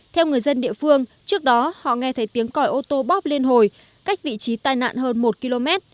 theo người dân địa phương trước đó họ nghe thấy tiếng còi ô tô bóp liên hồi cách vị trí tai nạn hơn một km